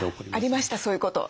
ありましたそういうこと。